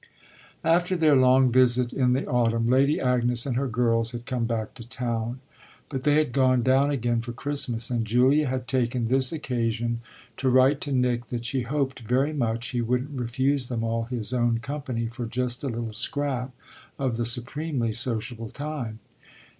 After their long visit in the autumn Lady Agnes and her girls had come back to town; but they had gone down again for Christmas and Julia had taken this occasion to write to Nick that she hoped very much he wouldn't refuse them all his own company for just a little scrap of the supremely sociable time.